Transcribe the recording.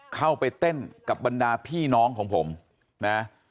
เข้าไปเต้นกับบรรดาพี่น้องของผมนะ